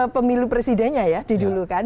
pemilu presidennya ya di dulu kan